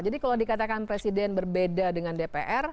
jadi kalau dikatakan presiden berbeda dengan dpr